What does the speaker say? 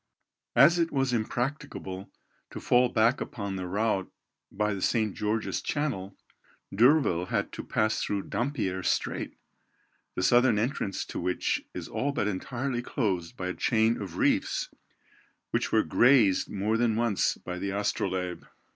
As it was impracticable to fall back upon the route by the St. George's Channel, D'Urville had to pass through Dampier's Strait, the southern entrance to which is all but entirely closed by a chain of reefs, which were grazed more than once by the Astrolabe.